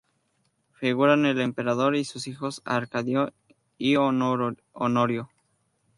Figuran el emperador y sus hijos Arcadio y Honorio.